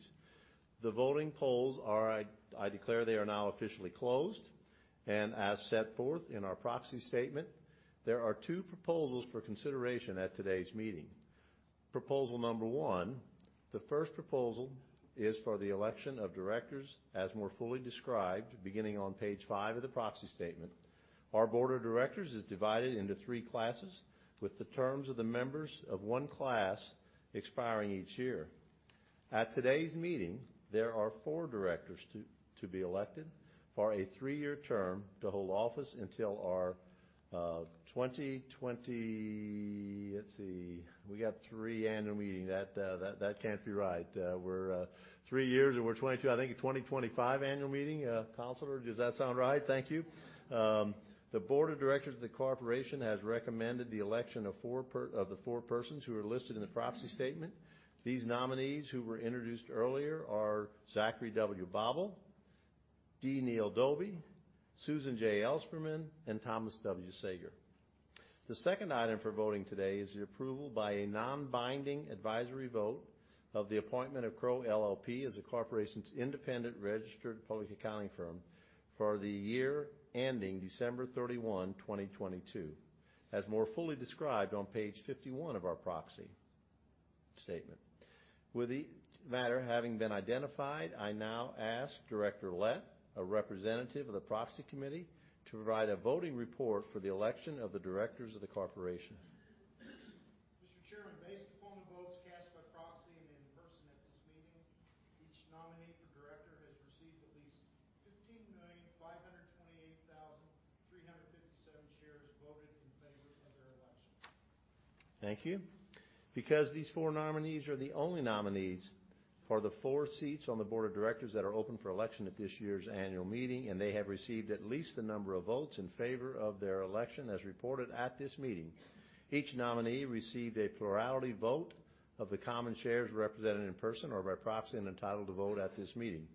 A: The voting polls are, I declare they are now officially closed. As set forth in our proxy statement, there are two proposals for consideration at today's meeting. Proposal number one, the first proposal is for the election of directors, as more fully described, beginning on page five of the proxy statement. Our board of directors is divided into three classes, with the terms of the members of one class expiring each year. At today's meeting, there are four directors to be elected for a three-year term to hold office until our 2020. Let's see, we got 2023 annual meeting. That can't be right. We're three years and we're 2022. I think a 2025 annual meeting, Counselor, does that sound right? Thank you. The board of directors of the corporation has recommended the election of four per... of the four persons who are listed in the proxy statement. These nominees who were introduced earlier are Zachary W. Bawel, D. Neil Dauby, Sue J. Ellspermann, and Thomas W. Seger. The second item for voting today is the approval by a non-binding advisory vote of the appointment of Crowe LLP as the corporation's independent registered public accounting firm for the year ending December 31, 2022, as more fully described on page 51 of our proxy statement. With each matter having been identified, I now ask Director Lett, a representative of the proxy committee, to provide a voting report for the election of the directors of the corporation.
D: Mr. Chairman, based upon the votes cast by proxy and in person at this meeting, each nominee for director has received at least 15,528,357 shares voted in favor of their election.
A: Thank you. Because these four nominees are the only nominees for the four seats on the board of directors that are open for election at this year's annual meeting, and they have received at least the number of votes in favor of their election as reported at this meeting, each nominee received a plurality vote of the common shares represented in person or by proxy and entitled to vote at this meeting.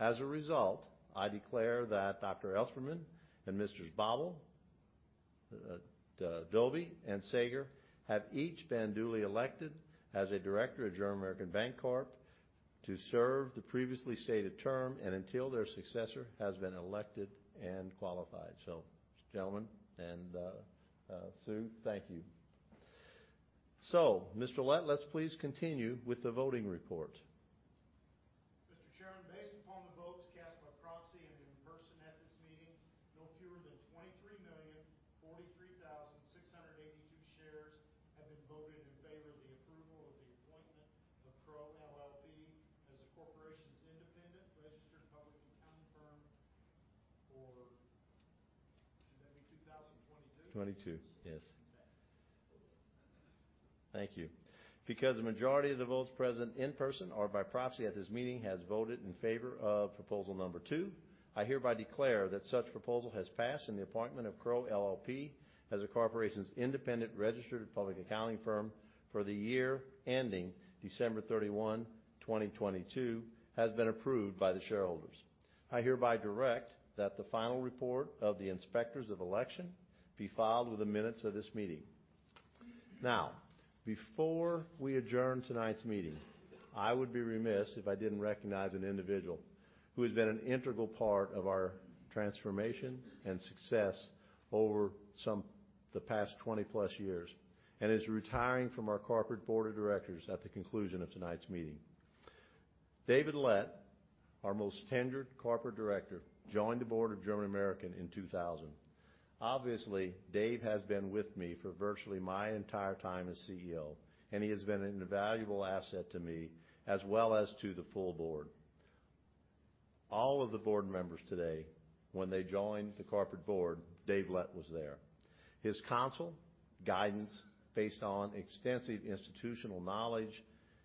A: As a result, I declare that Dr. Ellspermann and Messrs. Bobel, Dauby, and Seger have each been duly elected as a director of German American Bancorp to serve the previously stated term and until their successor has been elected and qualified. Gentlemen, and Sue, thank you. Mr. Lett, let's please continue with the voting report.
D: Mr. Chairman, based upon the votes cast by proxy and in person at this meeting, no fewer than 23,043,682 shares have been voted in favor of the approval of the appointment of Crowe LLP as the corporation's independent registered public accounting firm for. Should that be 2022?
A: 22, yes.
D: Okay.
A: Thank you. Because the majority of the votes present in person or by proxy at this meeting has voted in favor of proposal number two, I hereby declare that such proposal has passed, and the appointment of Crowe LLP as the corporation's independent registered public accounting firm for the year ending December 31, 2022, has been approved by the shareholders. I hereby direct that the final report of the inspectors of election be filed with the minutes of this meeting. Now, before we adjourn tonight's meeting, I would be remiss if I didn't recognize an individual who has been an integral part of our transformation and success over the past 20-plus years, and is retiring from our corporate board of directors at the conclusion of tonight's meeting. David Lett, our most tenured corporate director, joined the board of German American Bancorp in 2000. Obviously, Dave has been with me for virtually my entire time as CEO, and he has been an invaluable asset to me as well as to the full board. All of the board members today, when they joined the corporate board, Dave Lett was there. His counsel, guidance based on extensive institutional knowledge,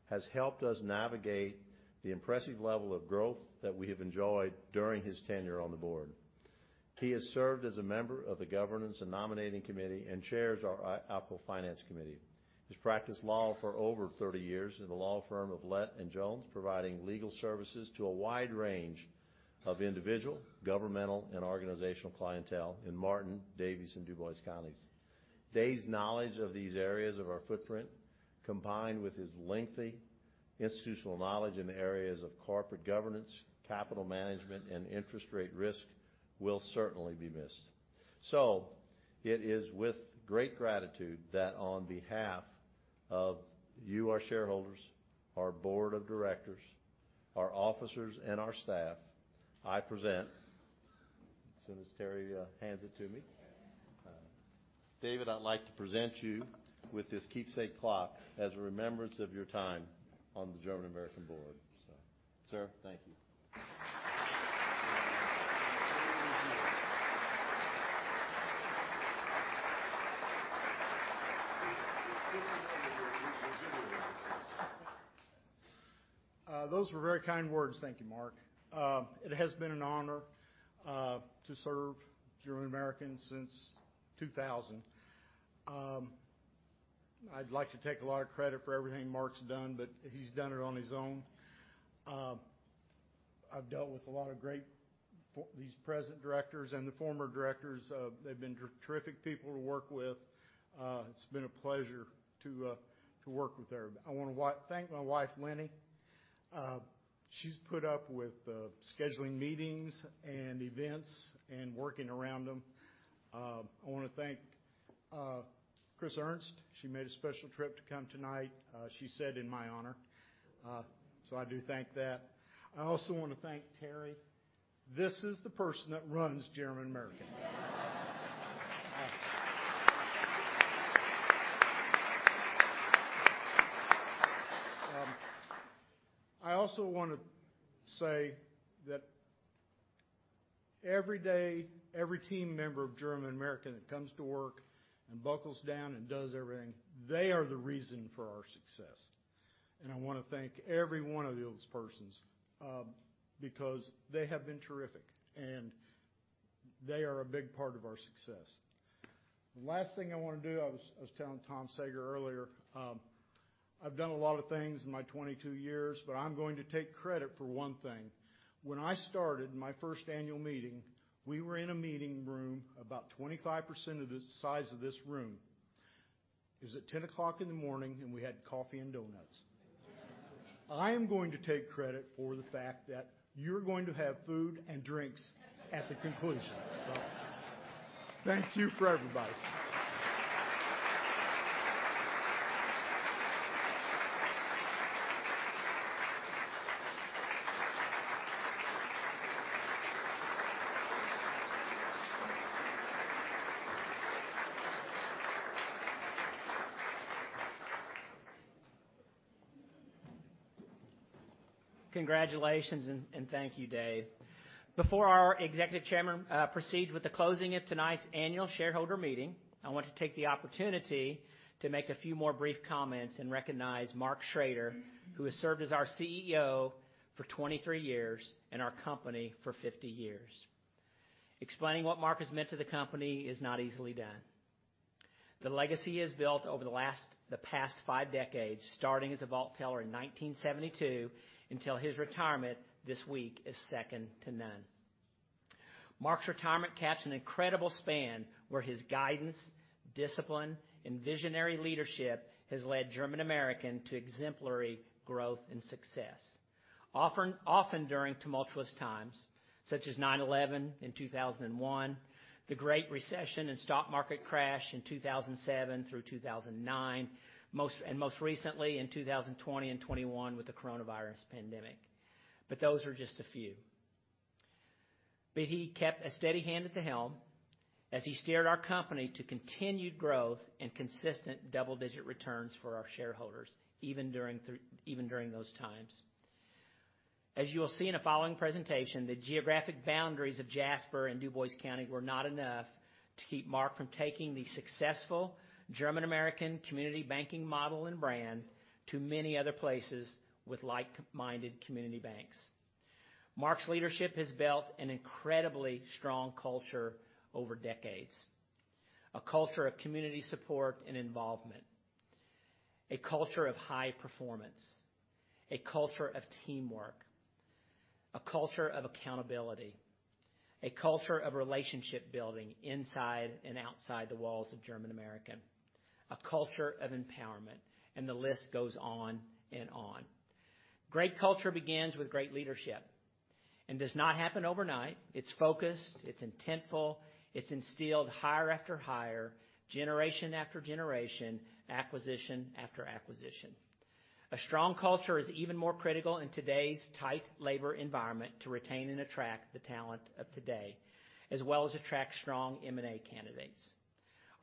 A: has helped us navigate the impressive level of growth that we have enjoyed during his tenure on the board. He has served as a member of the Governance and Nominating Committee, and chairs our Audit and Finance Committee. He's practiced law for over 30 years in the law firm of Lett and Jones, providing legal services to a wide range of individual, governmental, and organizational clientele in Martin, Daviess, and Dubois counties. David's knowledge of these areas of our footprint, combined with his lengthy institutional knowledge in the areas of corporate governance, capital management, and interest rate risk, will certainly be missed. It is with great gratitude that on behalf of you, our shareholders, our board of directors, our officers, and our staff, I present. As soon as Terry hands it to me. David, I'd like to present you with this keepsake clock as a remembrance of your time on the German American board. Sir, thank you.
D: Those were very kind words. Thank you, Mark. It has been an honor to serve German American since 2000. I'd like to take a lot of credit for everything Mark's done, but he's done it on his own. I've dealt with a lot of great these present directors and the former directors. They've been terrific people to work with. It's been a pleasure to work with them. I wanna thank my wife, Lenny. She's put up with scheduling meetings and events and working around them. I wanna thank Chris Ernst. She made a special trip to come tonight, she said in my honor, so I do thank that. I also wanna thank Terry. This is the person that runs German American. I also wanna say that every day, every team member of German American that comes to work and buckles down and does everything, they are the reason for our success. I wanna thank every one of those persons, because they have been terrific, and they are a big part of our success. The last thing I wanna do, I was telling Thomas W. Seger earlier, I've done a lot of things in my 22 years, but I'm going to take credit for one thing. When I started my first annual meeting, we were in a meeting room about 25% of the size of this room. It was at 10:00 A.M., and we had coffee and donuts. I am going to take credit for the fact that you're going to have food and drinks at the conclusion. Thank you for everybody.
C: Congratulations and thank you, Dave. Before our Executive Chairman proceeds with the closing of tonight's annual shareholder meeting, I want to take the opportunity to make a few more brief comments and recognize Mark Schroeder, who has served as our CEO for 23 years and our company for 50 years. Explaining what Mark has meant to the company is not easily done. The legacy he has built over the past five decades, starting as a vault teller in 1972 until his retirement this week, is second to none. Mark's retirement caps an incredible span where his guidance, discipline, and visionary leadership has led German American to exemplary growth and success. Often during tumultuous times, such as 9/11 in 2001, the Great Recession and stock market crash in 2007 through 2009, and most recently in 2020 and 2021 with the coronavirus pandemic, but those are just a few. He kept a steady hand at the helm as he steered our company to continued growth and consistent double-digit returns for our shareholders, even during those times. As you will see in the following presentation, the geographic boundaries of Jasper and Dubois County were not enough to keep Mark from taking the successful German American community banking model and brand to many other places with like-minded community banks. Mark's leadership has built an incredibly strong culture over decades. A culture of community support and involvement. A culture of high performance. A culture of teamwork. A culture of accountability. A culture of relationship building inside and outside the walls of German American. A culture of empowerment, and the list goes on and on. Great culture begins with great leadership and does not happen overnight. It's focused, it's intentional, it's instilled hire after hire, generation after generation, acquisition after acquisition. A strong culture is even more critical in today's tight labor environment to retain and attract the talent of today, as well as attract strong M&A candidates.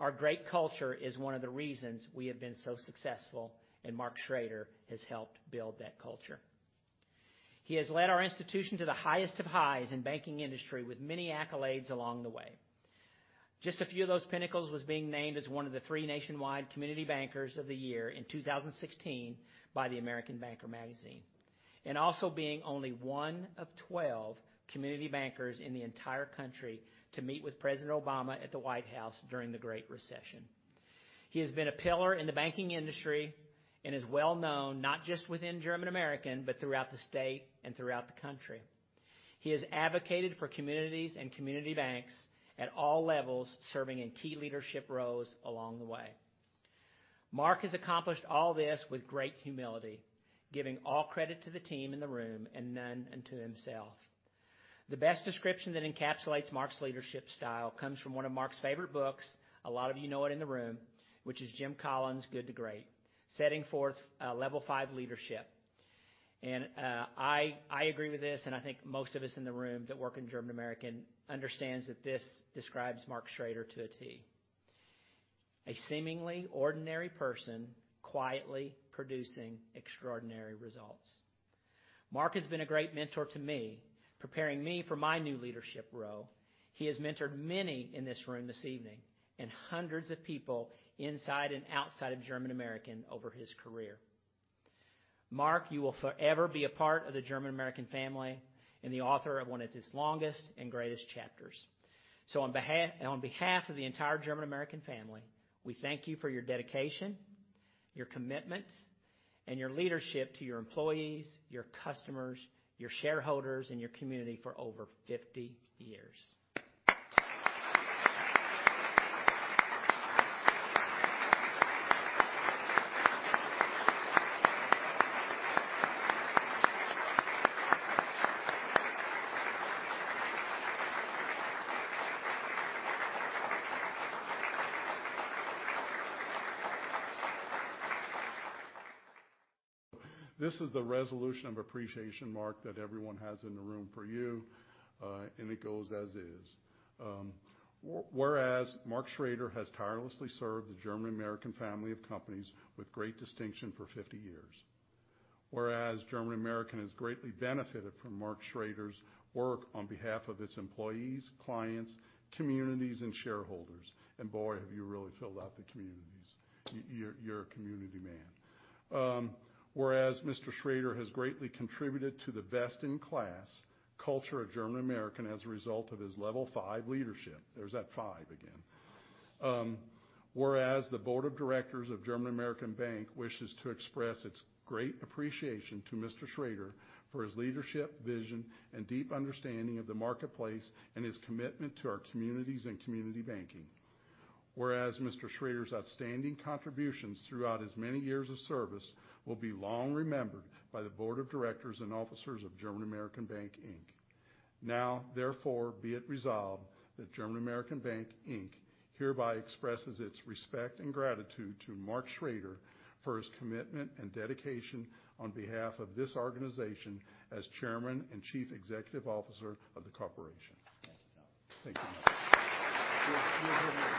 C: Our great culture is one of the reasons we have been so successful, and Mark Schroeder has helped build that culture. He has led our institution to the highest of highs in banking industry with many accolades along the way. Just a few of those pinnacles was being named as one of the three nationwide Community Bankers of the Year in 2016 by the American Banker magazine. Being only one of 12 community bankers in the entire country to meet with President Obama at the White House during the Great Recession. He has been a pillar in the banking industry and is well-known, not just within German American, but throughout the state and throughout the country. He has advocated for communities and community banks at all levels, serving in key leadership roles along the way. Mark has accomplished all this with great humility, giving all credit to the team in the room and none unto himself. The best description that encapsulates Mark's leadership style comes from one of Mark's favorite books.
D: A lot of you know it in the room, which is Jim Collins' Good to Great, setting forth level five leadership. I agree with this, and I think most of us in the room that work in German American understand that this describes Mark Schroeder to a T. A seemingly ordinary person quietly producing extraordinary results. Mark has been a great mentor to me, preparing me for my new leadership role. He has mentored many in this room this evening, and hundreds of people inside and outside of German American over his career. Mark, you will forever be a part of the German American family and the author of one of its longest and greatest chapters.
C: On behalf of the entire German American family, we thank you for your dedication, your commitment, and your leadership to your employees, your customers, your shareholders, and your community for over 50 years.
E: This is the resolution of appreciation, Mark, that everyone has in the room for you, and it goes as is. Whereas Mark Schroeder has tirelessly served the German American family of companies with great distinction for 50 years. Whereas German American has greatly benefited from Mark Schroeder's work on behalf of its employees, clients, communities, and shareholders. Boy, have you really filled out the communities. You're a community man. Whereas Mr. Schroeder has greatly contributed to the best-in-class culture of German American as a result of his level 5 leadership. There's that five again. Whereas the board of directors of German American Bank wishes to express its great appreciation to Mr. Schroeder for his leadership, vision, and deep understanding of the marketplace and his commitment to our communities and community banking. Whereas Mr. Schroeder's outstanding contributions throughout his many years of service will be long remembered by the board of directors and officers of German American Bancorp, Inc. Now, therefore, be it resolved that German American Bancorp, Inc. hereby expresses its respect and gratitude to Mark Schroeder for his commitment and dedication on behalf of this organization as chairman and chief executive officer of the corporation.
C: Thank you, Tom.
E: Thank you. You're good, Mark.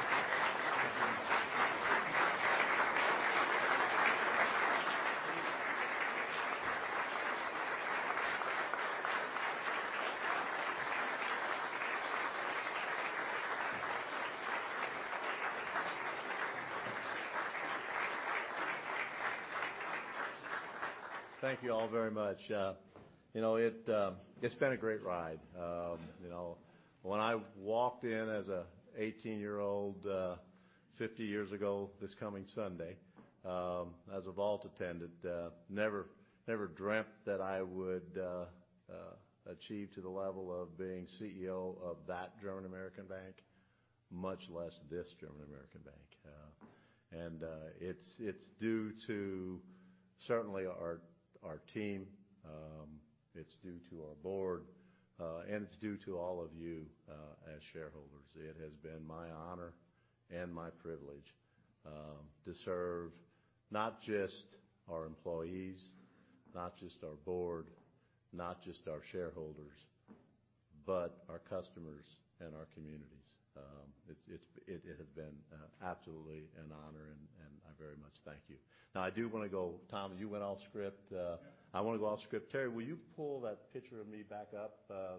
A: Thank you all very much. You know, it's been a great ride. You know, when I walked in as an 18-year-old, 50 years ago, this coming Sunday, as a vault attendant, never dreamt that I would achieve to the level of being CEO of that German American Bank, much less this German American Bank. It's due to certainly our team. It's due to our board, and it's due to all of you, as shareholders. It has been my honor and my privilege to serve not just our employees, not just our board, not just our shareholders, but our customers and our communities. It has been absolutely an honor, and I very much thank you. Now, I do wanna go. Tom, you went off script. I wanna go off script. Terry, will you pull that picture of me back up, the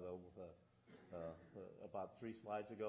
A: about three slides ago?